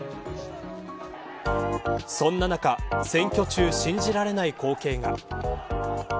そんな中選挙中、信じられない光景が。